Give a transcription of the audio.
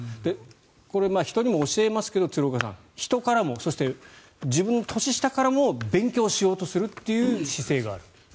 これ、人にも教えますけど鶴岡さん人からも、そして自分が年下からも勉強しようという姿勢がある。